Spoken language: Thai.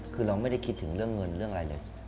คือเราไม่ได้คิดถึงเรื่องเงินเรื่องอะไรเลย